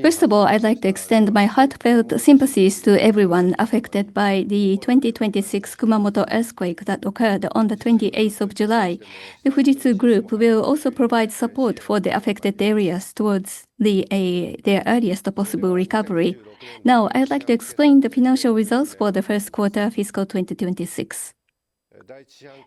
First of all, I'd like to extend my heartfelt sympathies to everyone affected by the 2026 Kumamoto earthquake that occurred on the July 28. The Fujitsu Group will also provide support for the affected areas towards their earliest possible recovery. Now, I would like to explain the financial results for the first quarter of FY 2026.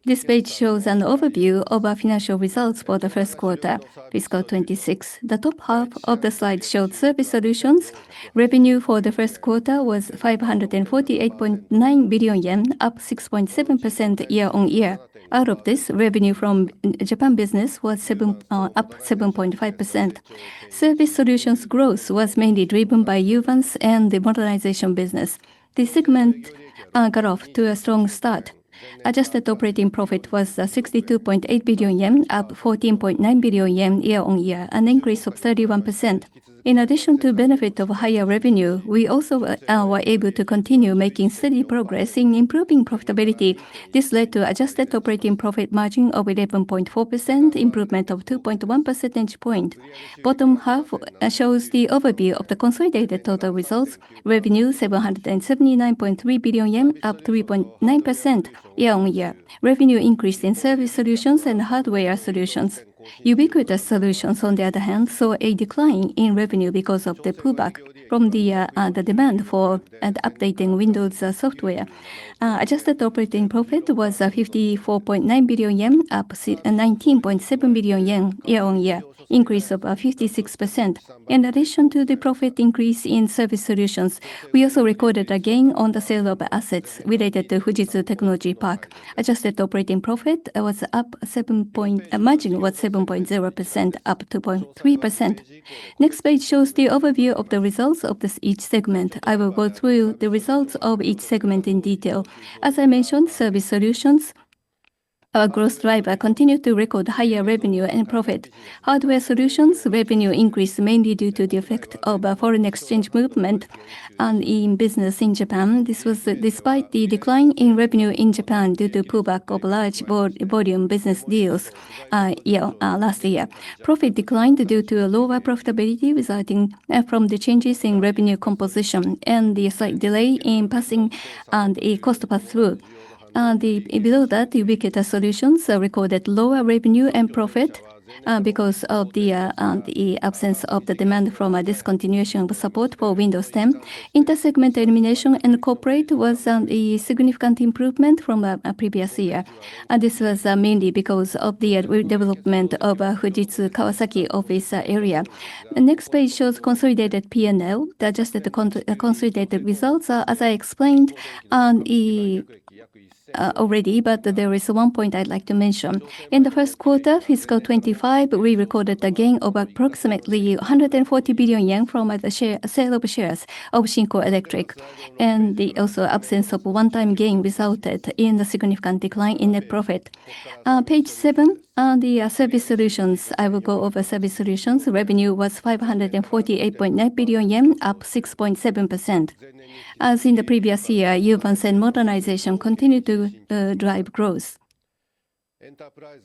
This page shows an overview of our financial results for the first quarter, FY 2026. The top half of the slide shows Service Solutions. Revenue for the first quarter was 548.9 billion yen, up 6.7% year-on-year. Out of this, revenue from Japan business was up 7.5%. Service Solutions growth was mainly driven by Uvance and the modernization business. This segment got off to a strong start. Adjusted operating profit was 62.8 billion yen, up 14.9 billion yen year-on-year, an increase of 31%. In addition to benefit of higher revenue, we also were able to continue making steady progress in improving profitability. This led to adjusted operating profit margin of 11.4%, improvement of 2.1 percentage point. Bottom half shows the overview of the consolidated total results. Revenue 779.3 billion yen, up 3.9% year-on-year. Revenue increased in Service Solutions and Hardware Solutions. Ubiquitous Solutions, on the other hand, saw a decline in revenue because of the pullback from the demand for updating Windows software. Adjusted operating profit was 54.9 billion yen, up 19.7 billion yen year-on-year, increase of 56%. In addition to the profit increase in Service Solutions, we also recorded a gain on the sale of assets related to Fujitsu Technology Park. Adjusted operating margin was 7.0%, up 2.3%. Next page shows the overview of the results of each segment. I will go through the results of each segment in detail. As I mentioned, Service Solutions, our growth driver, continued to record higher revenue and profit. Hardware Solutions revenue increased mainly due to the effect of a foreign exchange movement in business in Japan. This was despite the decline in revenue in Japan due to pullback of large volume business deals last year. Profit declined due to a lower profitability resulting from the changes in revenue composition and the slight delay in passing a cost pass-through. Below that, Ubiquitous Solutions recorded lower revenue and profit because of the absence of the demand from a discontinuation of the support for Windows 10. Intersegment elimination and corporate was a significant improvement from previous year. This was mainly because of the development of Fujitsu Kawasaki office area. The next page shows consolidated P&L, the adjusted consolidated results, as I explained already, but there is one point I'd like to mention. In the first quarter, FY 2025, we recorded a gain of approximately 140 billion yen from the sale of shares of SHINKO ELECTRIC, and also absence of a one-time gain resulted in a significant decline in net profit. Page seven, the Service Solutions. I will go over Service Solutions. Revenue was 548.9 billion yen, up 6.7%. As in the previous year, Uvance and modernization continued to drive growth.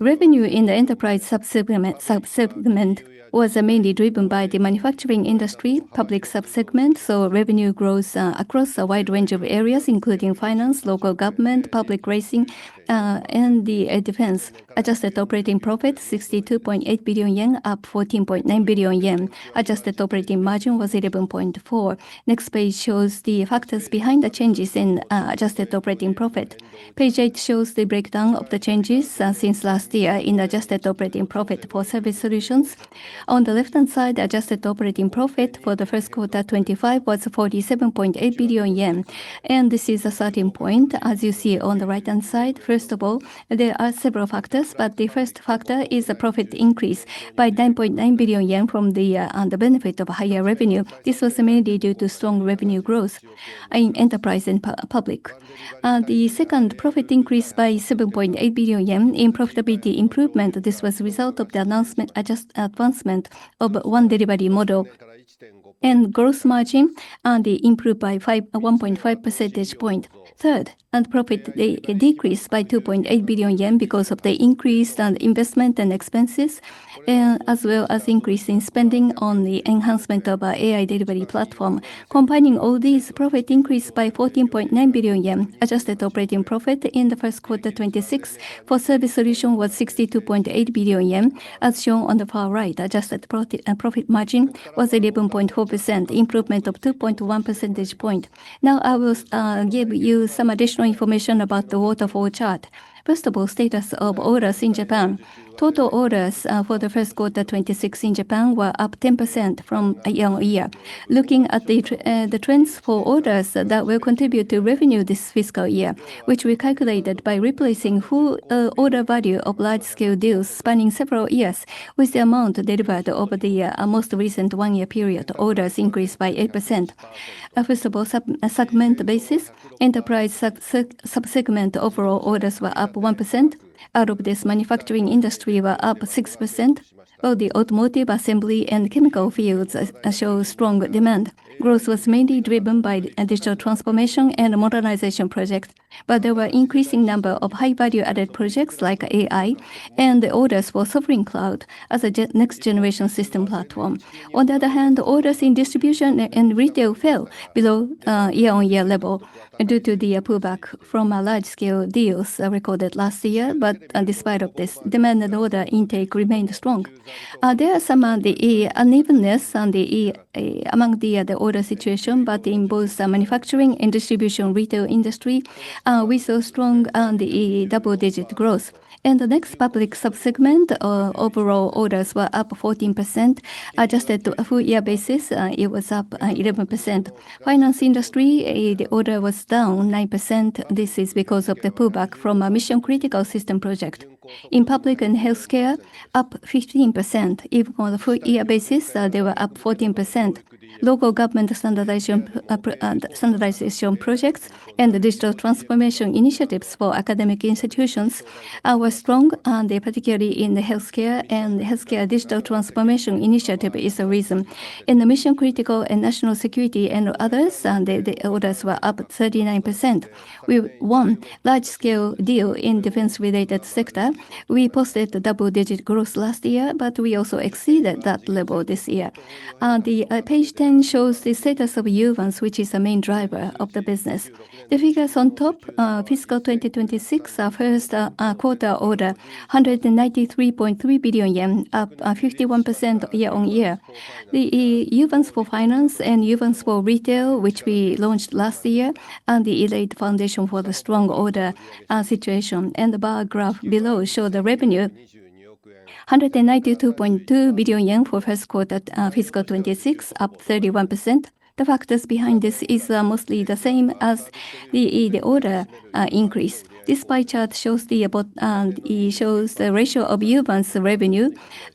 Revenue in the enterprise sub-segment was mainly driven by the manufacturing industry public sub-segment, so revenue growth across a wide range of areas, including finance, local government, public racing, and the defense. Adjusted operating profit 62.8 billion yen, up 14.9 billion yen. Adjusted operating margin was 11.4%. Next page shows the factors behind the changes in adjusted operating profit. Page eight shows the breakdown of the changes since last year in adjusted operating profit for Service Solutions. On the left-hand side, adjusted operating profit for the first quarter 2025 was 47.8 billion yen, and this is a starting point as you see on the right-hand side. There are several factors, but the first factor is a profit increased by 9.9 billion yen from the benefit of higher revenue. This was mainly due to strong revenue growth in enterprise and public. Second, profit increased by 7.8 billion yen in profitability improvement. This was a result of the advancement of ONE Delivery model. Gross margin improved by 1.5 percentage points. Third, net profit decreased by 2.8 billion yen because of the increase on investment and expenses, as well as increase in spending on the enhancement of our AI-driven delivery platform. Combining all these, profit increased by 14.9 billion yen. Adjusted operating profit in the first quarter 2026 for Service Solutions was 62.8 billion yen, as shown on the far right. Adjusted profit margin was 11.4%, improvement of 2.1 percentage points. I will give you some additional information about the waterfall chart. Status of orders in Japan. Total orders for the first quarter 2026 in Japan were up 10% from year-on-year. Looking at the trends for orders that will contribute to revenue this fiscal year, which we calculated by replacing whole order value of large-scale deals spanning several years with the amount delivered over the most recent one-year period, orders increased by 8%. Segment basis, Enterprise sub-segment, overall orders were up Out of this, manufacturing industry were up 6%, while the automotive assembly and chemical fields show strong demand. Growth was mainly driven by digital transformation and modernization projects, but there were increasing number of high value-added projects like AI and the orders for Sovereign Cloud as a next-generation system platform. On the other hand, orders in distribution and retail fell below year-on-year level due to the pull back from large-scale deals recorded last year. Despite of this, demand and order intake remained strong. There are some unevenness among the order situation, but in both the manufacturing and distribution retail industry, we saw strong double-digit growth. In the next Public sub-segment, overall orders were up 14%, adjusted to a full-year basis, it was up 11%. Finance industry, the order was down 9%. This is because of the pull back from a mission-critical system project. In Public and Healthcare, up 15%, even on a full-year basis, they were up 14%. Local government standardization projects and the digital transformation initiatives for academic institutions were strong, particularly in the Healthcare and Healthcare digital transformation initiative is the reason. In the Mission-critical and National Security and others, the orders were up 39%. We won large-scale deal in defense-related sector. We posted double-digit growth last year, but we also exceeded that level this year. Page 10 shows the status of Uvance, which is the main driver of the business. The figures on top, fiscal 2026 first quarter order, 193.3 billion yen, up 51% year-on-year. The Uvance for Finance and Uvance for Retail, which we launched last year, and it laid foundation for the strong order situation. The bar graph below show the revenue, 192.2 billion yen for first quarter fiscal 2026, up 31%. The factors behind this is mostly the same as the order increase. This pie chart shows the ratio of Uvance revenue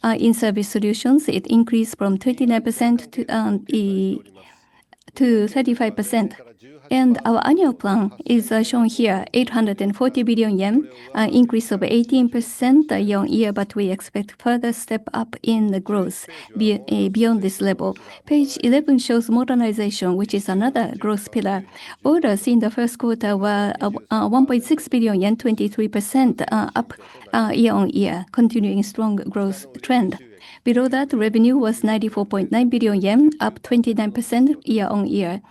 in Service Solutions. It increased from 29% to 35%. Our annual plan is shown here, 840 billion yen, an increase of 18% year-over-year. We expect further step up in the growth beyond this level. Page 11 shows modernization, which is another growth pillar. Orders in the first quarter were 1.6 billion yen, 23% year-over-year, continuing strong growth trend. Below that, revenue was 94.9 billion yen, up 29% year-over-year.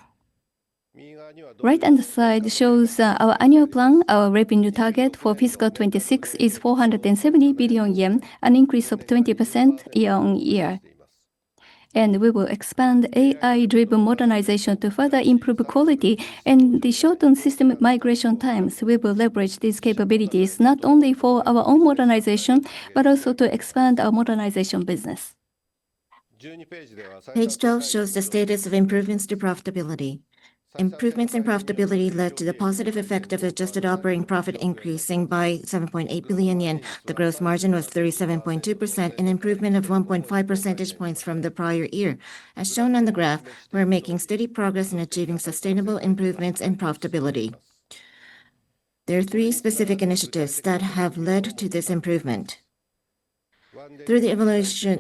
Right-hand side shows our annual plan. Our revenue target for FY 2026 is 470 billion yen, an increase of 20% year-over-year. We will expand AI-driven modernization to further improve quality and the shortened system migration times. We will leverage these capabilities not only for our own modernization, but also to expand our modernization business. Page 12 shows the status of improvements to profitability. Improvements in profitability led to the positive effect of adjusted operating profit increasing by 7.8 billion yen. The gross margin was 37.2%, an improvement of 1.5 percentage points from the prior year. As shown on the graph, we are making steady progress in achieving sustainable improvements in profitability. There are three specific initiatives that have led to this improvement. Through the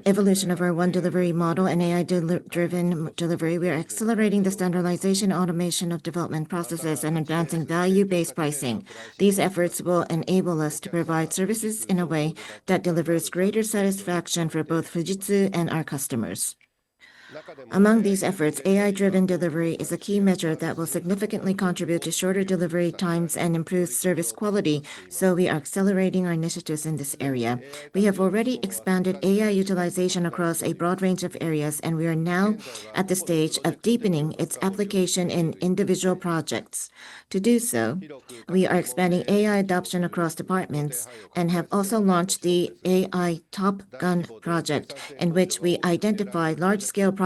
evolution of our ONE Delivery model and AI-driven delivery, we are accelerating the standardization, automation of development processes, and advancing value-based pricing. These efforts will enable us to provide services in a way that delivers greater satisfaction for both Fujitsu and our customers. Among these efforts, AI-driven delivery is a key measure that will significantly contribute to shorter delivery times and improved service quality. We are accelerating our initiatives in this area. We have already expanded AI utilization across a broad range of areas. We are now at the stage of deepening its application in individual projects. To do so, we are expanding AI adoption across departments and have also launched the AI Top Gun project, in which we identify large-scale projects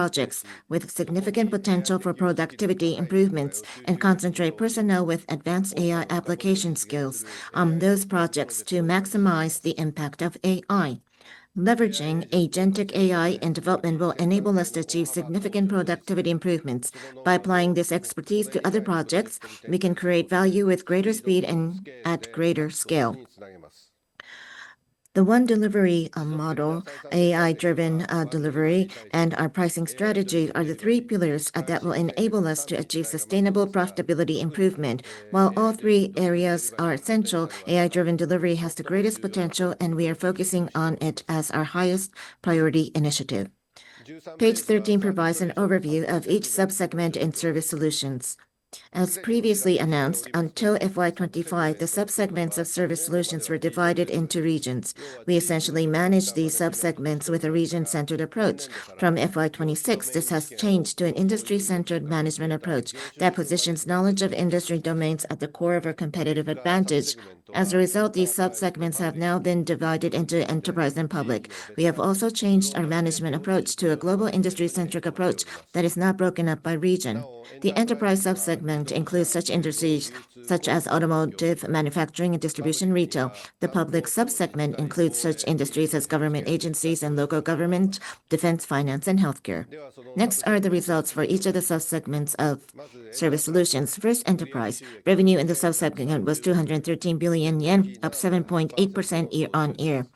with significant potential for productivity improvements and concentrate personnel with advanced AI application skills on those projects to maximize the impact of AI. Leveraging Agentic AI in development will enable us to achieve significant productivity improvements. By applying this expertise to other projects, we can create value with greater speed and at greater scale. The ONE Delivery model, AI-driven delivery, and our pricing strategy are the three pillars that will enable us to achieve sustainable profitability improvement. While all three areas are essential, AI-driven delivery has the greatest potential. We are focusing on it as our highest priority initiative. Page 13 provides an overview of each sub-segment in Service Solutions. As previously announced, until FY 2025, the sub-segments of Service Solutions were divided into regions. We essentially managed these sub-segments with a region-centered approach. From FY 2026, this has changed to an industry-centered management approach that positions knowledge of industry domains at the core of our competitive advantage. As a result, these sub-segments have now been divided into enterprise and public. We have also changed our management approach to a global industry-centric approach that is not broken up by region. The enterprise sub-segment includes such industries such as automotive, manufacturing, and distribution retail. The public sub-segment includes such industries as government agencies and local government, defense, finance, and healthcare. Next are the results for each of the sub-segments of Service Solutions. First, enterprise. Revenue in the sub-segment was 213 billion yen, up 7.8% year-on-year.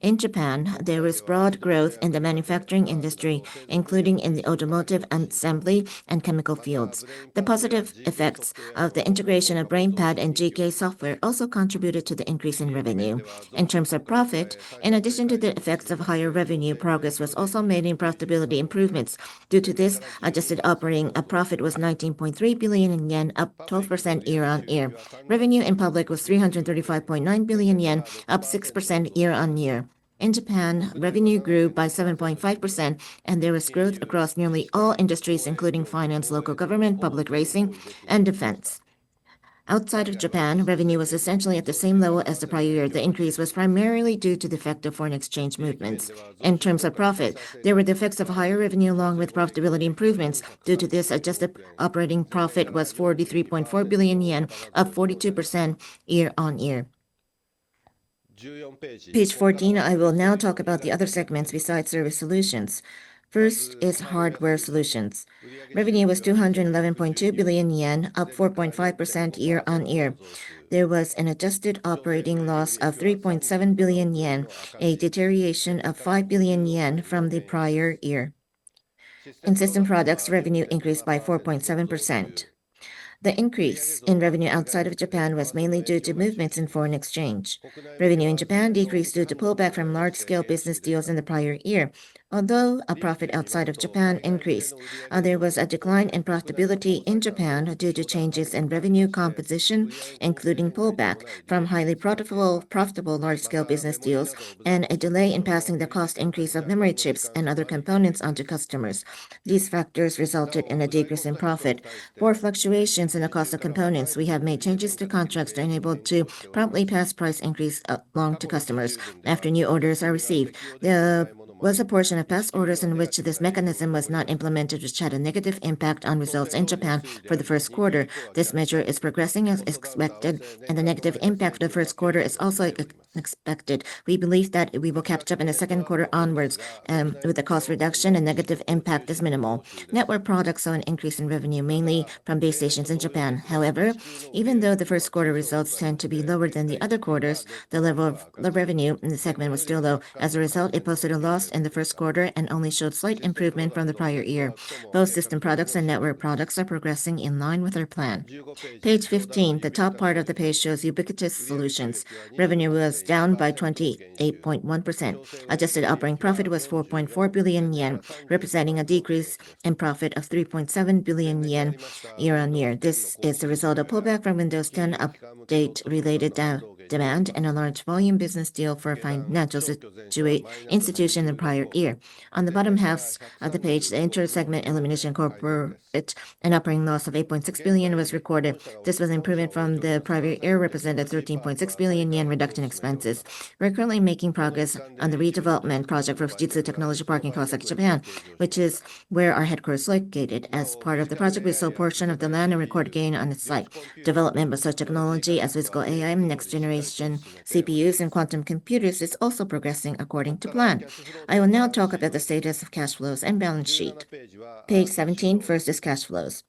In Japan, there was broad growth in the manufacturing industry, including in the automotive assembly and chemical fields. The positive effects of the integration of BrainPad and GK Software also contributed to the increase in revenue. In terms of profit, in addition to the effects of higher revenue, progress was also made in profitability improvements. Due to this, adjusted operating profit was 19.3 billion yen, up 12% year-on-year. Revenue in public was 335.9 billion yen, up 6% year-on-year. In Japan, revenue grew by 7.5%, and there was growth across nearly all industries, including finance, local government, public racing, and defense. Outside of Japan, revenue was essentially at the same level as the prior year. The increase was primarily due to the effect of foreign exchange movements. In terms of profit, there were the effects of higher revenue along with profitability improvements. Due to this, adjusted operating profit was 43.4 billion yen, up 42% year-on-year. Page 14, I will now talk about the other segments besides Service Solutions. First is Hardware Solutions. Revenue was 211.2 billion yen, up 4.5% year-on-year. There was an adjusted operating loss of 3.7 billion yen, a deterioration of 5 billion yen from the prior year. In System Products, revenue increased by 4.7%. The increase in revenue outside of Japan was mainly due to movements in foreign exchange. Revenue in Japan decreased due to pullback from large-scale business deals in the prior year. Although profit outside of Japan increased, there was a decline in profitability in Japan due to changes in revenue composition, including pullback from highly profitable large-scale business deals and a delay in passing the cost increase of memory chips and other components onto customers. These factors resulted in a decrease in profit. For fluctuations in the cost of components, we have made changes to contracts to enable to promptly pass price increase along to customers after new orders are received. There was a portion of past orders in which this mechanism was not implemented, which had a negative impact on results in Japan for the first quarter. This measure is progressing as expected, and the negative impact of the first quarter is also expected. We believe that we will catch up in the second quarter onwards, with the cost reduction and negative impact as minimal. Network Products saw an increase in revenue, mainly from base stations in Japan. Even though the first quarter results tend to be lower than the other quarters, the level of revenue in the segment was still low. As a result, it posted a loss in the first quarter and only showed slight improvement from the prior year. Both System Products and Network Products are progressing in line with our plan. Page 15. The top part of the page shows Ubiquitous Solutions. Revenue was down by 28.1%. Adjusted operating profit was 4.4 billion yen, representing a decrease in profit of 3.7 billion yen year-on-year. This is the result of pullback from Windows 10 update related demand and a large volume business deal for a financial institution in the prior year. On the bottom half of the page, the intersegment elimination incorporated an operating loss of 8.6 billion was recorded. This was an improvement from the prior year, represented 13.6 billion yen reduction in expenses. We are currently making progress on the redevelopment project for Fujitsu Technology Park in Kawasaki, Japan, which is where our headquarters is located. As part of the project, we sold a portion of the land and recorded a gain on the site. Development of such technology as Physical AI, next generation CPUs, and quantum computing is also progressing according to plan. I will now talk about the status of cash flows and balance sheet. Page 17. First is cash flows.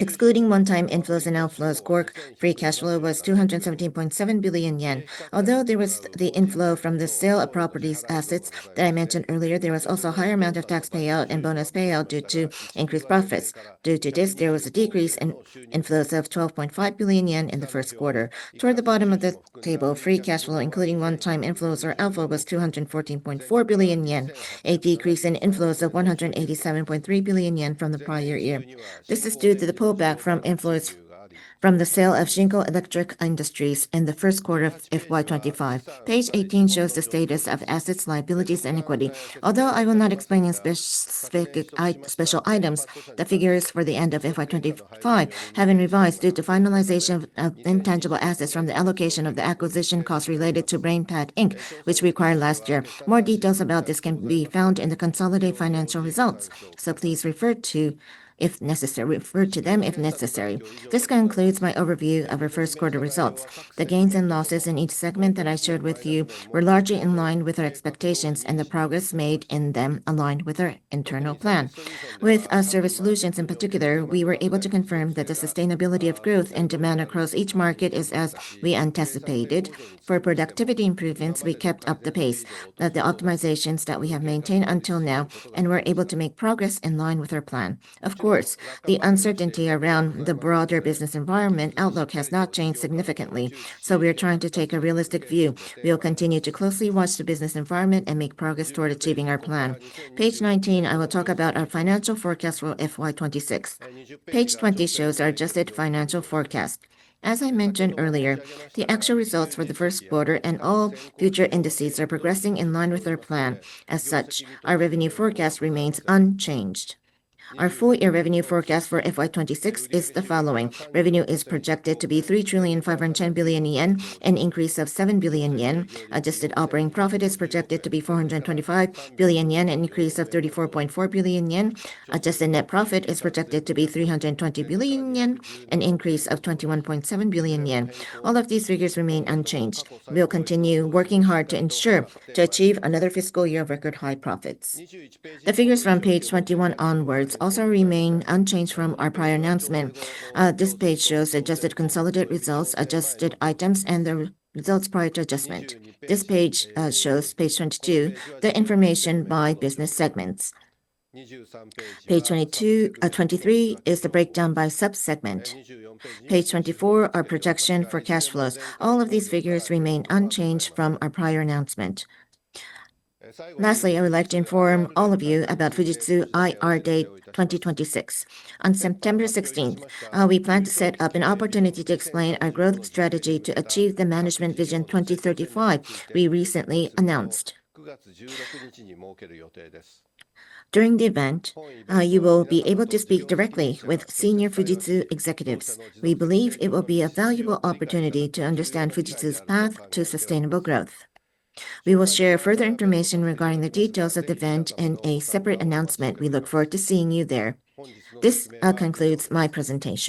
Excluding one-time inflows and outflows, core free cash flow was 217.7 billion yen. Although there was the inflow from the sale of property assets that I mentioned earlier, there was also a higher amount of tax payout and bonus payout due to increased profits. Due to this, there was a decrease in inflows of 12.5 billion yen in the first quarter. Toward the bottom of the table, free cash flow, including one-time inflows or outflow, was 214.4 billion yen, a decrease in inflows of 187.3 billion yen from the prior year. This is due to the pullback from inflows from the sale of SHINKO ELECTRIC INDUSTRIES in the first quarter of FY 2025. Page 18 shows the status of assets, liabilities, and equity. Although I will not explain special items, the figures for the end of FY 2025 have been revised due to finalization of intangible assets from the allocation of the acquisition costs related to BrainPad Inc, which we acquired last year. More details about this can be found in the consolidated financial results, so please refer to them if necessary. This concludes my overview of our first quarter results. The gains and losses in each segment that I shared with you were largely in line with our expectations, and the progress made in them aligned with our internal plan. With Service Solutions in particular, we were able to confirm that the sustainability of growth and demand across each market is as we anticipated. For productivity improvements, we kept up the pace of the optimizations that we have maintained until now and were able to make progress in line with our plan. Of course, the uncertainty around the broader business environment outlook has not changed significantly, so we are trying to take a realistic view. We will continue to closely watch the business environment and make progress toward achieving our plan. Page 19, I will talk about our financial forecast for FY 2026. Page 20 shows our adjusted financial forecast. As I mentioned earlier, the actual results for the first quarter and all future indices are progressing in line with our plan. As such, our revenue forecast remains unchanged. Our full-year revenue forecast for FY 2026 is the following: revenue is projected to be 3,510 billion yen, an increase of 7 billion yen. Adjusted operating profit is projected to be 425 billion yen, an increase of 34.4 billion yen. Adjusted net profit is projected to be 320 billion yen, an increase of 21.7 billion yen. All of these figures remain unchanged. We will continue working hard to achieve another fiscal year of record-high profits. The figures from page 21 onwards also remain unchanged from our prior announcement. This page shows adjusted consolidated results, adjusted items, and the results prior to adjustment. This page shows, page 22, the information by business segments. Page 23 is the breakdown by sub-segment. Page 24, our projection for cash flows. All of these figures remain unchanged from our prior announcement. Lastly, I would like to inform all of you about Fujitsu IR Day 2026. On September 16 2026, we plan to set up an opportunity to explain our growth strategy to achieve the Management Vision 2035 we recently announced. During the event, you will be able to speak directly with senior Fujitsu executives. We believe it will be a valuable opportunity to understand Fujitsu's path to sustainable growth. We will share further information regarding the details of the event in a separate announcement. We look forward to seeing you there. This concludes my presentation.